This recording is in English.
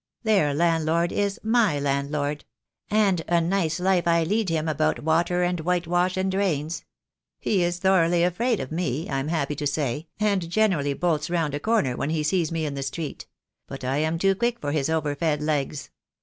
Their landlord is my landlord; and a nice life I lead him about water, and whitewash, and drains. He is thoroughly afraid of me, I am happy to say, and generally bolts round a corner when he sees me in the street; but I am too quick for his over fed legs.